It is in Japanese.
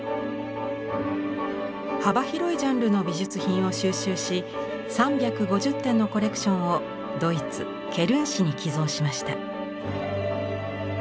幅広いジャンルの美術品を収集し３５０点のコレクションをドイツケルン市に寄贈しました。